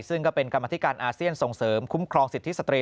ซึ่งก็เป็นกรรมธิการอาเซียนส่งเสริมคุ้มครองสิทธิสตรี